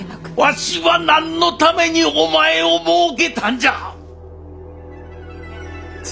わしは何のためにお前をもうけたんじゃ！